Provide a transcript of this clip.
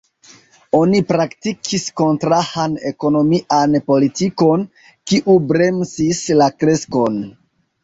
Oni praktikis kontrahan ekonomian politikon, kiu bremsis la kreskon.